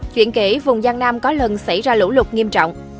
chuyện kể vùng giang nam có lần xảy ra lũ lục nghiêm trọng